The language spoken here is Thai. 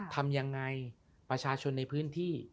ทำยังไงประชาชนในพื้นที่